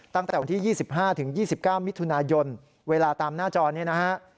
ตั้งแต่วันที่๒๕๒๙มิถุนายนเวลาตามหน้าจอนี้นะฮะ